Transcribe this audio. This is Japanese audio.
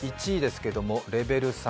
１位ですけれどもレベル３。